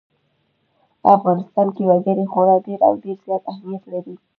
په افغانستان کې وګړي خورا ډېر او ډېر زیات اهمیت لري.